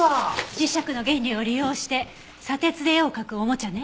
磁石の原理を利用して砂鉄で絵を描くおもちゃね。